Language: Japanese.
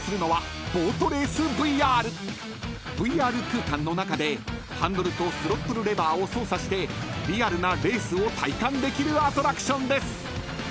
［ＶＲ空間の中でハンドルとスロットルレバーを操作してリアルなレースを体感できるアトラクションです］